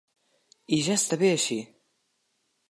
I ja està bé així!